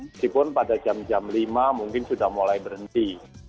meskipun pada jam jam lima mungkin sudah mulai berhenti